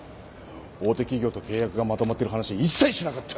大手企業と契約がまとまってる話一切しなかった。